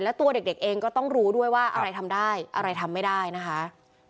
แล้วตัวเด็กเองก็ต้องรู้ด้วยว่าอะไรทำได้อะไรทำไม่ได้นะคะ